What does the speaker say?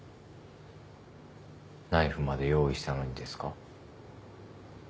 ナイフまで用意したのにですか？